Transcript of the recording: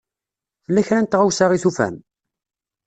Tella kra n tɣawsa i tufam?